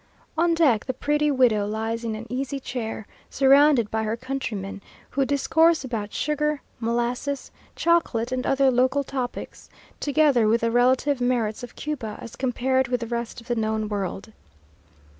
On deck, the pretty widow lies in an easy chair, surrounded by her countrymen, who discourse about sugar, molasses, chocolate, and other local topics, together with the relative merits of Cuba as compared with the rest of the known world.